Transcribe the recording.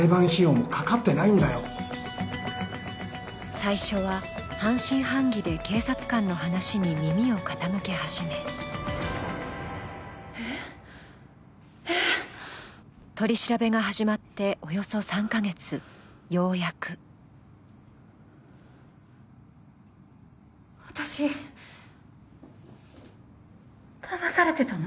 最初は半信半疑で警察官の話に耳を傾け始め、取り調べが始まっておよそ３カ月、ようやく私だまされてたの？